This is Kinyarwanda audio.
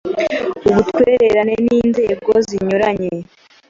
ubutwererane n inzego zinyuranye